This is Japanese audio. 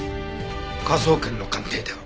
科捜研の鑑定では。